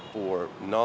và truyền thống